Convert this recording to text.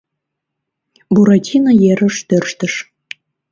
Буратино ерыш тӧрштыш.